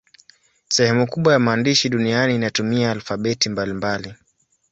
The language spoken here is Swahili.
Sehemu kubwa ya maandishi duniani inatumia alfabeti mbalimbali.